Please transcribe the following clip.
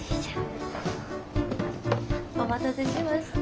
お待たせしました。